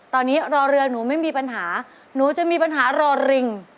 ตอนนี้รอเรือหนูไม่มีปัญหาหนูจะมีปัญหารอริง